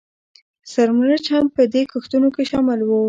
سره مرچ هم په دې کښتونو کې شامل وو